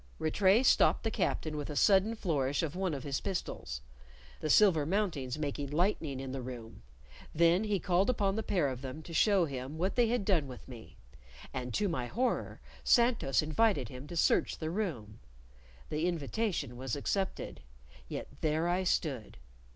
Rattray stopped the captain with a sudden flourish of one of his pistols, the silver mountings making lightning in the room; then he called upon the pair of them to show him what they had done with me; and to my horror, Santos invited him to search the room. The invitation was accepted. Yet there I stood.